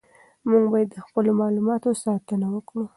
موږ باید د خپلو معلوماتو ساتنه وکړو.